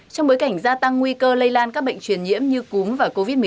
trong bối cảnh gia tăng nguy cơ lây lan các bệnh truyền nhiễm như cúm và covid một mươi chín